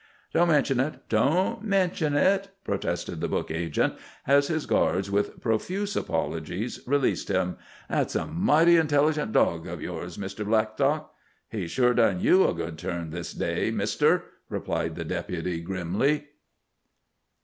"Don't mention it, don't mention it," protested the book agent, as his guards, with profuse apologies, released him. "That's a mighty intelligent dawg o' yours, Mr. Blackstock." "He's sure done you a good turn this day, mister," replied the Deputy grimly.